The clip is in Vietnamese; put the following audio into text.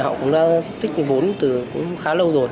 họ cũng tích vốn từ khá lâu rồi